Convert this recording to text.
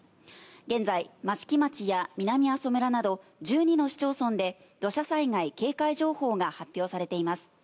現在、益城町や南阿蘇村など１２の市町村で土砂災害警戒情報が発表されています。